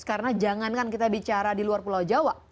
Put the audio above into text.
karena jangankan kita bicara di luar pulau jawa